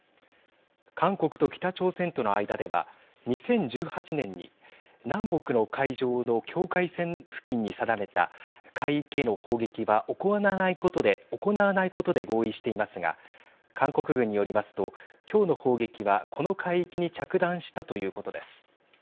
韓国と北朝鮮との間では２０１８年に南北の海上の境界線付近に定めた海域への砲撃は行わないことで合意していますが韓国軍によりますと今日の砲撃はこの海域に着弾したということです。